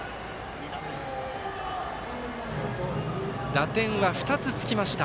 打点は２つ、つきました。